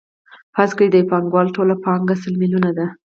فرض کړئ د یو پانګوال ټوله پانګه سل میلیونه ده